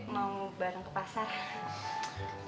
mau bareng ke pasar